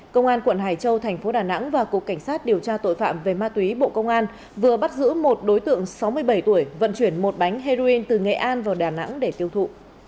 công an quận hải châu thành phố đà nẵng và cục cảnh sát điều tra tội phạm về ma túy bộ công an vừa bắt giữ một đối tượng sáu mươi bảy tuổi vận chuyển một bánh heroin từ nghệ an vào đà nẵng để tiêu thụ